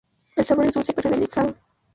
El sabor es dulce pero delicado.